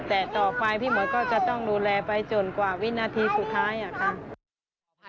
แต่ต่อไปพี่หมวดก็จะต้องดูแลไปจนกว่าวินาทีสุดท้ายอะค่ะ